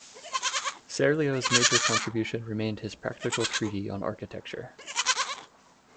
Serlio's major contribution remained his practical treatise on architecture.